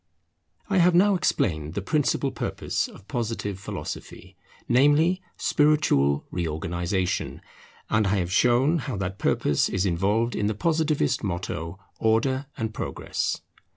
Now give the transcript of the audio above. I have now explained the principal purpose of Positive Philosophy, namely, spiritual reorganization; and I have shown how that purpose is involved in the Positivist motto, Order and Progress.